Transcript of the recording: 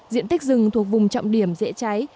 diện tích rừng thuộc vùng trọng điểm dễ cháy